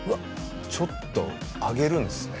ちょっと上げるんですね